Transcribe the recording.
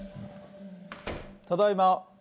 ただいま。